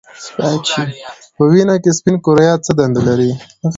په وینه کې سپین کرویات څه دنده لري